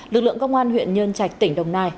lực lượng công an huyện nhân trạch tỉnh đồng nai